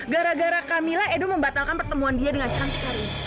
gara gara kamila edo membatalkan pertemuan dia dengan cantik hari ini